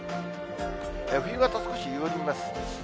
冬型、少し緩みます。